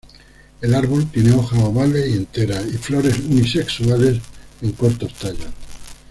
El árbol tiene hojas ovales y enteras, y flores unisexuales en cortos tallos.